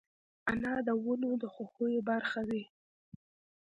انا د ودونو د خوښیو برخه وي